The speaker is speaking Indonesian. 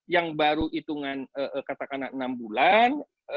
yang baru hitungan katakanlah enam bulan